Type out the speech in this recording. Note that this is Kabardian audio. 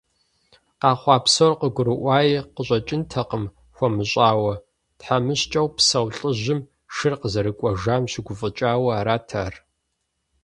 Къэхъуа псор къыгурыӏуауи къыщӏэкӏынтэкъым хуэмыщӏауэ, тхьэмыщкӏэу псэу лӏыжьым, шыр къызэрыкӏуэжам щыгуфӏыкӏауэ арат ар.